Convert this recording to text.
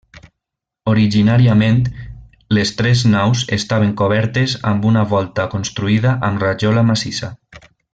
Originàriament, les tres naus estaven cobertes amb una volta construïda amb rajola massissa.